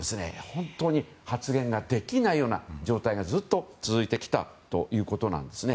本当に発言ができないような状態がずっと続いてきたということなんです。